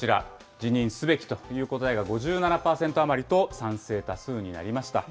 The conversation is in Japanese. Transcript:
辞任すべきという答えが５７％余りと賛成多数になりました。